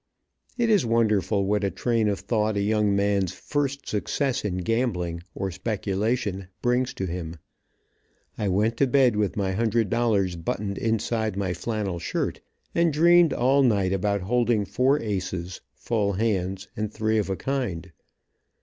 It is wonderful what a train of thought a young man's first success in gambling, or speculation, brings to him. I went to bed with my hundred dollars buttoned inside my flannel shirt, and dreamed all night about holding four aces, full hands, and three of a kind.